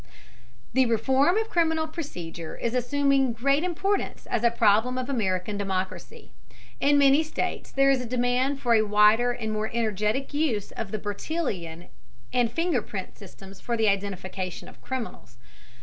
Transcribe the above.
The reform of criminal procedure is assuming great importance as a problem of American democracy. In many states there is a demand for a wider and more energetic use of the Bertillon and finger print systems for the identification of criminals.